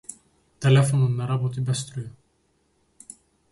Телефонот не работи без струја.